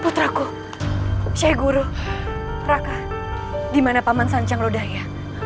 putraku syekh guru raka dimana paman sancang lodaya